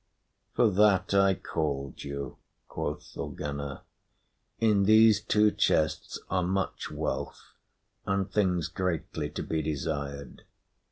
"For that I called you," quoth Thorgunna. "In these two chests are much wealth and things greatly to be desired.